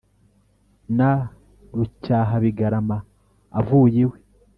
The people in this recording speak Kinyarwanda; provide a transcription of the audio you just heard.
. Na Rucyahabigarama, avuye iwe